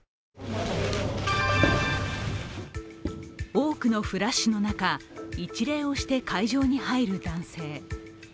多くのフラッシュの中、一礼をして会場に入る男性。